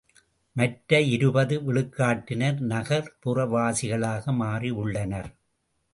மற்ற இருபது விழுக்காட்டினர் நகர்ப்புற வாசிகளாக மாறி உள்ளனர்.